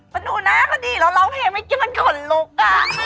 มันดูน่าก็ดีแล้วร้องเพลงไม่เกี่ยวมันขนลุกอ่ะ